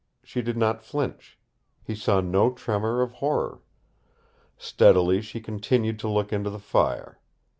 She did not flinch. He saw no tremor of horror. Steadily she continued to look into the fire.